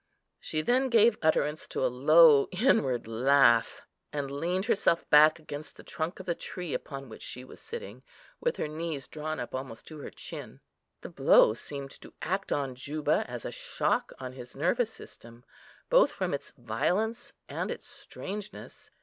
She then gave utterance to a low inward laugh, and leaned herself back against the trunk of the tree upon which she was sitting, with her knees drawn up almost to her chin. The blow seemed to act on Juba as a shock on his nervous system, both from its violence and its strangeness.